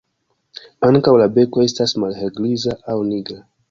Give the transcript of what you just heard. Ankaŭ la beko estas malhelgriza aŭ nigra.